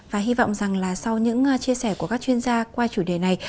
và hy vọng rằng là sau những chia sẻ của các chuyên gia qua chủ đề này